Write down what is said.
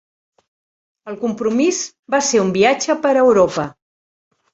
El compromís va ser un viatge per Europa.